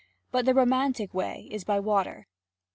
But the romantic way is by water.